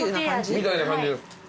みたいな感じです。